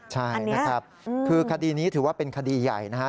ใช่นะครับคือคดีนี้ถือว่าเป็นคดีใหญ่นะฮะ